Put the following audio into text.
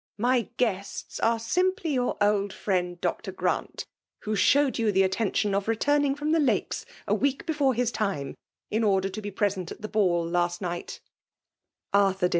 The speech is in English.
'* My guests are simply your old friend Dr. Grant, — who showed you the attention of returning from the lakes a week before his time, in order to be present at the ball last night," — (Arthur h3 154 FEMALE DOMnCATtOlV.